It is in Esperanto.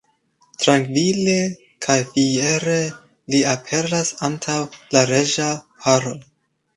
Trankvile kaj fiere li aperas antaŭ la reĝa paro.